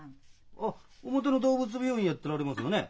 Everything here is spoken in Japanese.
ああ表の動物病院やっておられますよね。